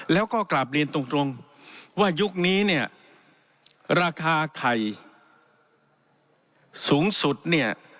แล้วก็กราบเรียนตรงว่ายุคนี้เนี่ยราคาไข่สูงสุดเนี่ย